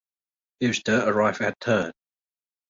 Fewster arrived at third.